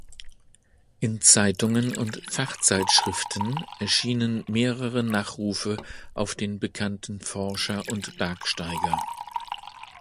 In Zeitungen und Fachzeitschriften erschienen mehrere Nachrufe auf den bekannten Forscher und Bergsteiger.